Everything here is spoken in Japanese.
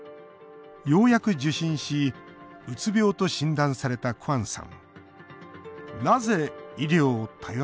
ようやく受診しうつ病と診断されたクアンさん。